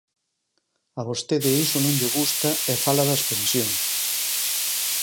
A vostede iso non lle gusta e fala das pensións.